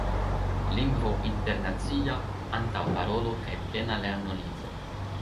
Lingvo Internacia, Antaŭparolo kaj Plena Lernolibro.